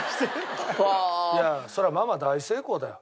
いやそれはママ大成功だよ。